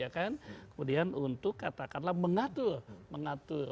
kemudian untuk mengatur